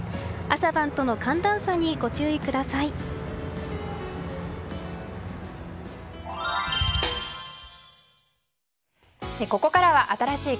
朝晩の寒暖差にご注意ください。